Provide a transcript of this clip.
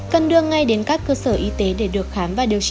cần đưa ngay đến các cơ sở y tế để được khám và điều trị kịp hơi